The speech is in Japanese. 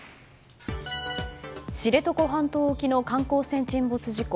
知床半島沖の観光船沈没事故。